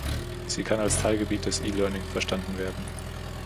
Sie kann als Teilgebiet des E-Learning verstanden werden.